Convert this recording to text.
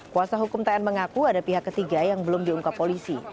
kuasa hukum tn mengaku ada pihak ketiga yang belum diungkap polisi